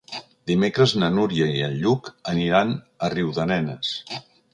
Dimecres na Núria i en Lluc aniran a Riudarenes.